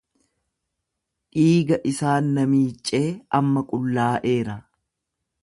Dhiiga isaan na miiccee, amma qullaa'eera.